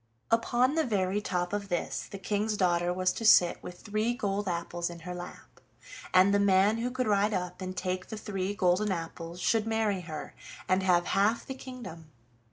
Upon the very top of this the King's daughter was to sit with three gold apples in her lap, and the man who could ride up and take the three golden apples should marry her, and have half the kingdom.